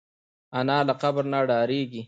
انا له قبر نه ډارېږي